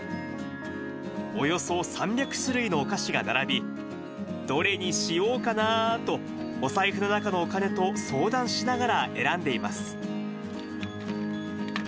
およそ３００種類のお菓子が並び、どれにしようかなーと、お財布の中のお金と相談しながら選んでいます。